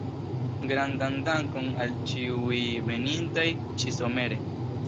Grandan dankon al ĉiuj venintaj ĉi-somere.